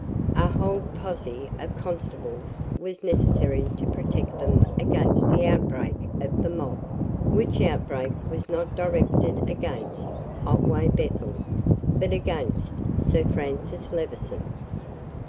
A whole posse of constables was necessary to protect them against the outbreak of the mob, which outbreak was not directed against Otway Bethel, but against Sir Francis Levison.